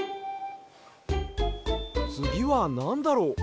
つぎはなんだろう？